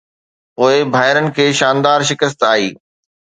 پوءِ ڀائرن کي ”شاندار“ شڪست آئي